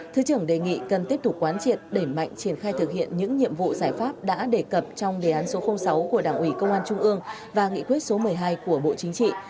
thứ trưởng đề nghị cần tiếp tục quán triệt đẩy mạnh triển khai thực hiện những nhiệm vụ giải pháp đã đề cập trong đề án số sáu của đảng ủy công an trung ương và nghị quyết số một mươi hai của bộ chính trị